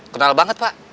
kenal banget pak